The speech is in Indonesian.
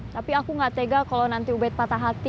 tapi aku gak tega kalau nanti ubed patah hati